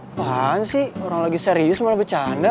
banyak sih orang lagi serius malah bercanda